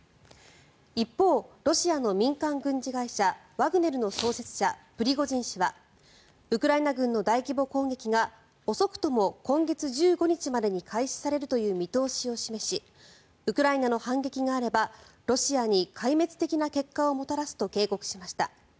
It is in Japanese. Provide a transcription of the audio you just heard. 一方、ロシアの民間軍事会社ワグネルの創設者プリゴジン氏はウクライナ軍の大規模攻撃が遅くとも今月１５日までに開始されるという見通しを示しウクライナの反撃があればロシアに壊滅的な結果をもたらすと警告しました。